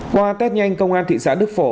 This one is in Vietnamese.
qua test nhanh công an thị xã đức phổ